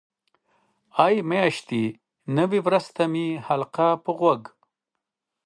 ای میاشتې نوې وریځ ته مې حلقه په غوږ.